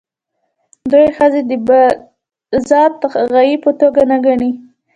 دوی ښځې د بالذات غایې په توګه نه ګڼي.